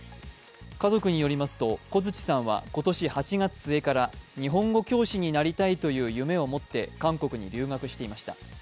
家族によりますと、小槌さんは今年８月末から日本語教師になりたいという夢を持って韓国に留学していました。